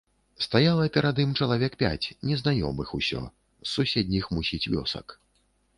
Стаяла перад ім чалавек пяць, незнаёмых усё, з суседніх, мусіць, вёсак.